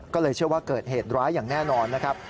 ก็เลยเชื่อว่าเกิดเหตุร้ายอย่างแน่นอนนะครับ